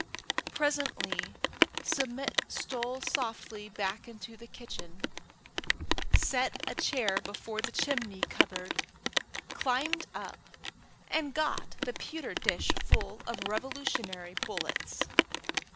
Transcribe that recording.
Presently Submit stole softly back into the kitchen, set a chair before the chimney cupboard, climbed up, and got the pewter dish full of Revolutionary bullets.